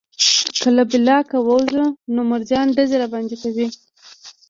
که له بلاک ووځو نو جرمنان ډزې راباندې کوي